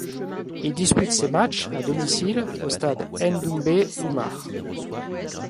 Il dispute ses matchs à domicile au stade Ndoumbé Oumar.